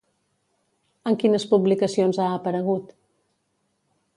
En quines publicacions ha aparegut?